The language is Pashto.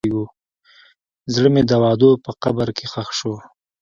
زړه مې د وعدو په قبر کې ښخ شو.